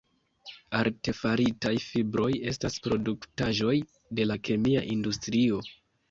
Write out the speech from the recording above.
Artefaritaj fibroj estas produktaĵoj de la kemia industrio.